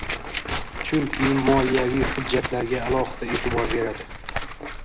Chunki moliyaviy hujjatlarga alohida e’tibor beradi.